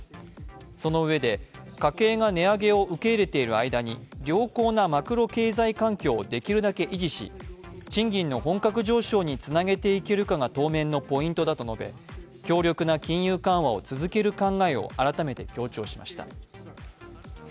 そのうえで、家計が値上げを受け入れている間に良好なマクロ経済環境をできるだけ維持し、賃金の本格上昇につなげていけるかが当面のポイントだと述べ強力な金融緩和を続ける考えを改めて強調しました。